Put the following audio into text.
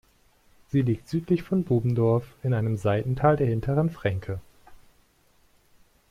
Sie liegt südlich von Bubendorf in einem Seitental der Hinteren Frenke.